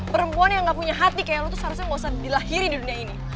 perempuan yang gak punya hati kayak lu tuh seharusnya gak usah dilahiri di dunia ini